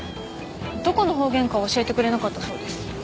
どこの方言か教えてくれなかったそうです。